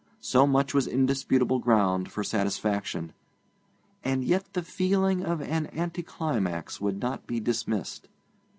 So much was indisputable ground for satisfaction. And yet the feeling of an anticlimax would not be dismissed.